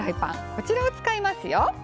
こちらを使いますよ。